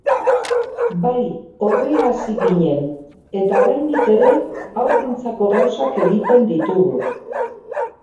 Bai, horrela hasi ginen eta oraindik ere haurrentzako gauzak egiten ditugu.